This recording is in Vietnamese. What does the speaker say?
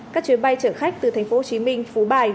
các chuyến bay chở khách từ thành phố hồ chí minh phú bài